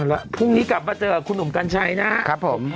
แล้วพรุ่งนี้กลับมาเจอกับคุณหนุ่มกัญชัยนะครับผม